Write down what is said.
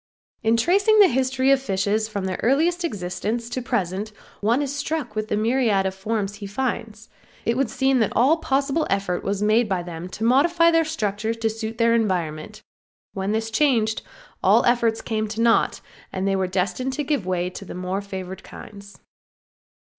In tracing the history of fishes from their earliest existence to the present one is struck with the myriad forms he finds. It would seem that all possible effort was made by them to modify their structure to suit their environment; when this changed all their efforts came to naught, and they were destined to give way to the more favored kinds.